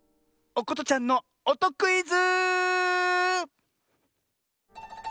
おことちゃんのおとクイズ！